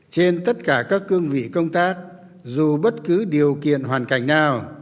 trên tất cả các cương vị công tác dù bất cứ điều kiện hoàn cảnh nào